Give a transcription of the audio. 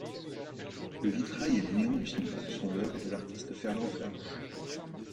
Le vitrail et les néons du cinéma sont l'oeuvre de l'artiste Fernand Flausch.